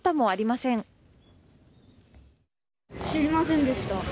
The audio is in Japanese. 知りませんでした。